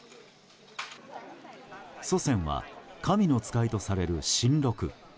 祖先は、神の使いとされる神鹿。